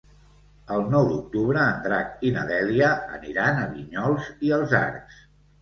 El nou d'octubre en Drac i na Dèlia aniran a Vinyols i els Arcs.